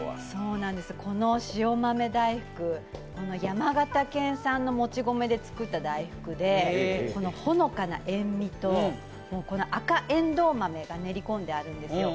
この塩豆大福、山形県産のもち米で作った大福でほのかな塩みと、赤えんどう豆が練り込んであるんですよ。